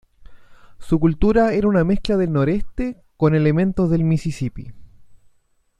Su cultura era una mezcla del noreste con elementos del Misisipi.